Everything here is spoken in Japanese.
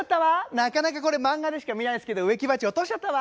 なかなかこれ漫画でしか見ないですけど「植木鉢落としちゃったわ」。